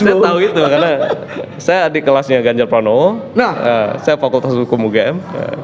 saya tahu itu karena saya adik kelasnya ganjar pranowo saya fakultas hukum ugm